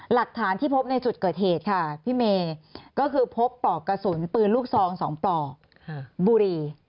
หลักฐานที่พบในจุดเกิดเหตุค่ะพี่เมย์ก็คือพบปลอกกระสุนปืนลูกซอง๒ปลอกบุรี